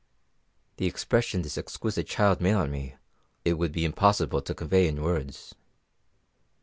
"The impression this exquisite child made on me it would be impossible to convey in words.